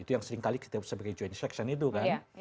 itu yang seringkali kita sebagai joint section itu kan